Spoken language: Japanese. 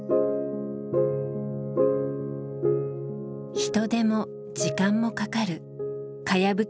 人手も時間もかかるかやぶき